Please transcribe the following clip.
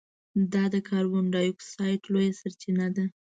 دا د کاربن ډای اکسایډ لویه سرچینه ده.